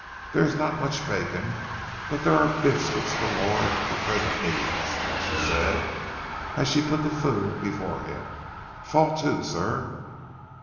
"There is not much bacon, but there are biscuits galore for present needs," she said as she put the food before him. "Fall to, sir!"